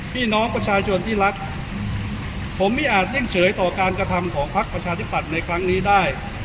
พี่น้องประชาชนที่รักผมไม่อาจนิ่งเฉยต่อการกระทำของพักประชาธิปัตย์ในครั้งนี้ได้